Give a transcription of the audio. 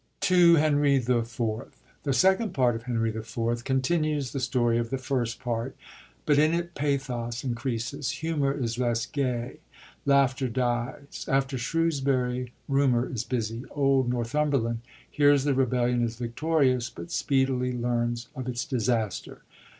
2 Hbnrt IV.— The Second Part of Henry IV. con tinues the story of the first part ; but in it pathos increases, humor is less gay, laughter dies. After Shrewsbury, rumor is busy : old Northumberland hears the rebellion is victorious; but speedily learns of its disaster.